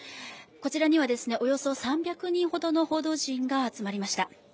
こちらにはおよそ３００人ほどの報道陣が集まりました。